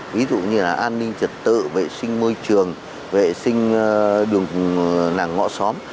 ví dụ như là an ninh trật tự vệ sinh môi trường vệ sinh đường nàng ngõ xóm